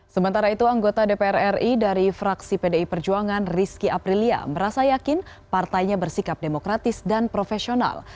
sementara itu anggota dpr ri dari fraksi pdi perjuangan rizky aprilia merasa yakin partainya bersikap demokratis dan profesional